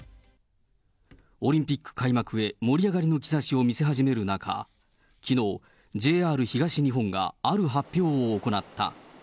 オリンピック開幕へ盛り上がりの兆しを見せ始める中、きのう、ＪＲ東日本がある発表を行った。